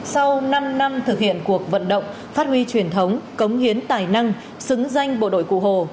sau năm năm thực hiện cuộc vận động phát huy truyền thống cống hiến tài năng xứng danh bộ đội cụ hồ